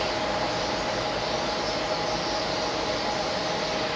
ต้องเติมเนี่ย